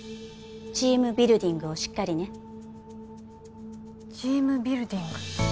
チームビルディングをしっかりねチームビルディング？